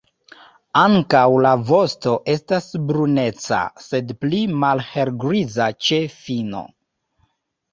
Ankaŭ la vosto estas bruneca, sed pli malhelgriza ĉe fino.